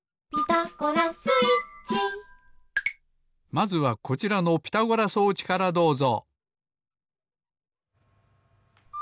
まずはこちらのピタゴラ装置からどうぞ。